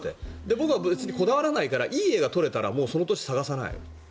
僕は別にこだわらないからいい画が撮れたらもうその年、探さない。